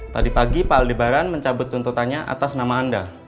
tadi pagi pak aldebaran mencabut tuntutannya atas nama anda